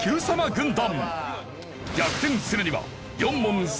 軍団。